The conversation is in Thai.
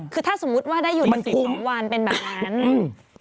คือถ้าสมมุติว่าได้หยุด๑๒วันเป็นแบบนั้น